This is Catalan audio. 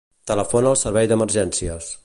Telefona al Servei d'Emergències.